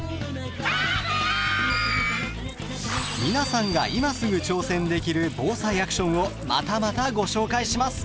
皆さんが今すぐ挑戦できる「ＢＯＳＡＩアクション」をまたまたご紹介します。